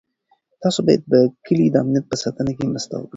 تاسو باید د کلي د امنیت په ساتنه کې مرسته وکړئ.